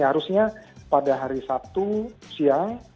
harusnya pada hari sabtu siang